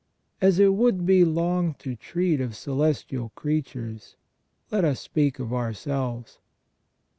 As it would be long to treat of celestial creatures, let us speak of ourselves.